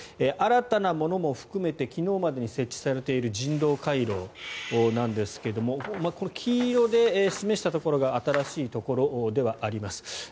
新たなものも含めて昨日までに設置されている人道回廊なんですがこの黄色で示したところが新しいところではあります。